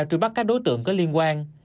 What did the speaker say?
truy bắt các đối tượng có liên quan